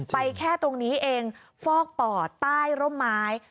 แค่ตรงนี้เองฟอกปอดใต้ร่มไม้